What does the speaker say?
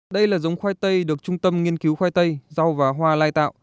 đây là giống khoai tây được trung tâm nghiên cứu khoai tây rau và hoa lai tạo